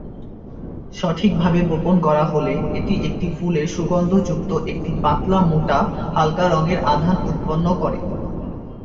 সঠিকভাবে বপন করা হলে, এটি একটি ফুলের সুগন্ধযুক্ত একটি পাতলা-মোটা, হালকা রঙের আধান উৎপন্ন করে।